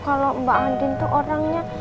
kalau mbak andin itu orangnya